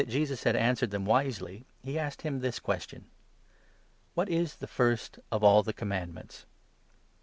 Jesus had answered them wisely, he asked him this question : "What is the first of all the commandments?